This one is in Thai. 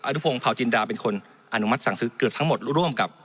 ทุกว่าอนุมัติสั่งซื้อเกือบทั้งหมดร่วมกับ